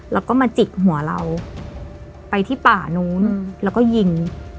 แล้วก็มาจิกหัวเราไปที่ป่านู้นแล้วก็ยิง